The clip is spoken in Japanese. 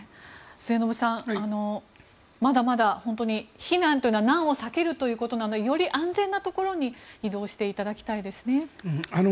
末延さん、まだまだ本当に避難というのは難を避けるということなのでより安全なところに移動していただきたいですね。